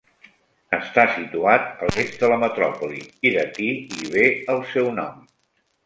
Està situat a l'est de la metròpoli i d'aquí li ve el seu nom.